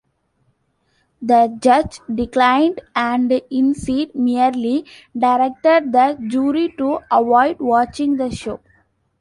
The judge declined and instead merely directed the jury to avoid watching the show.